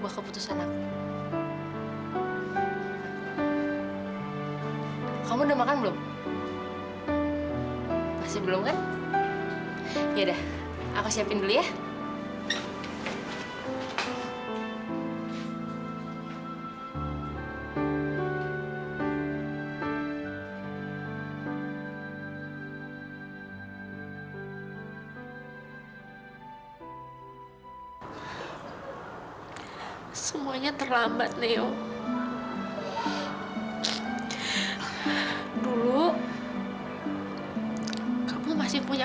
hanya dengan keingin atapmu